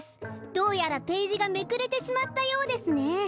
どうやらページがめくれてしまったようですね。